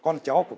có thể cấp này